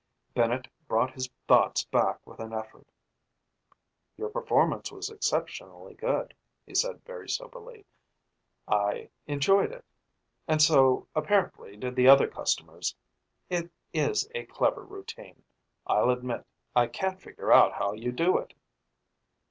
Bennett brought his thoughts back with an effort. "Your performance was exceptionally good," he said very soberly. "I enjoyed it. And so, apparently did the other customers. It is a clever routine. I'll admit I can't figure out how you do it."